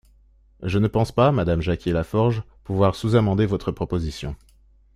Je ne pense pas, madame Jacquier-Laforge, pouvoir sous-amender votre proposition.